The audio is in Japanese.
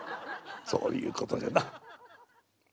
そういうことじゃな。